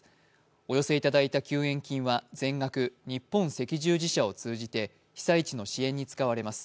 お寄せいただいた救援金は全額、日本赤十字社を通じて被災地の支援に使われます。